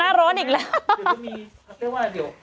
หน้าร้อนอีกแล้ว